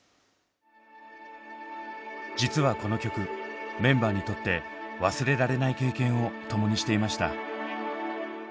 実はこの曲メンバーにとって忘れられない経験を共にしていました。